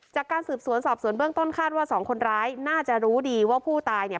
จากการสืบสวนสอบสวนเบื้องต้นคาดว่าสองคนร้ายน่าจะรู้ดีว่าผู้ตายเนี่ย